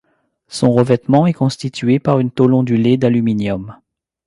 Son revêtement est constitué par une tôle ondulée d'aluminium.